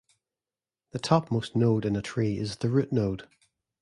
The topmost node in a tree is the root node.